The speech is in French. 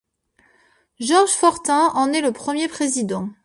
Georges Fortin en est le premier président.